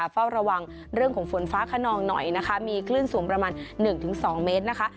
เฝ้าระวังเรื่องของฝนฟ้าขนองหน่อยนะคะมีคลื่นสูงประมาณ๑๒เมตรนะคะ